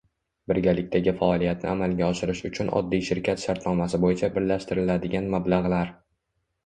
Birgalikdagi faoliyatni amalga oshirish uchun oddiy shirkat shartnomasi bo‘yicha birlashtiriladigan mablag‘lar